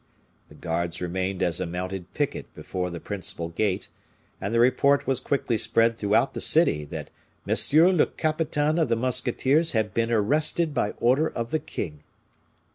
The guards remained as a mounted picket before the principal gate; and the report was quickly spread throughout the city that monsieur le capitaine of the musketeers had been arrested by order of the king.